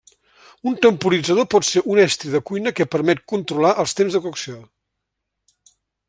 Un temporitzador pot ser un estri de cuina que permet controlar els temps de cocció.